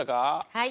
はい。